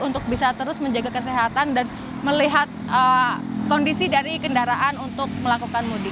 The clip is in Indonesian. untuk bisa terus menjaga kesehatan dan melihat kondisi dari kendaraan untuk melakukan mudik